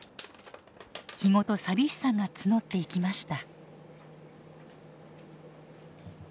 日ごと寂しさが募っていきました。